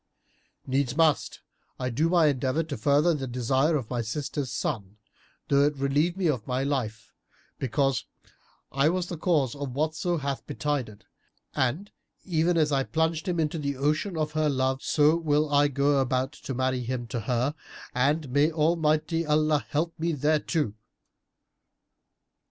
Needs must I do my endeavour to further the desire of my sister's son, though it relieve me of my life; because I was the cause of whatso hath betided; and, even as I plunged him into the ocean of her love, so will I go about to marry him to her, and may Almighty Allah help me thereto!"